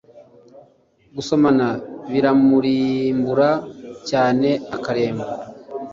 Gusomana biramurimbura cyane akaremba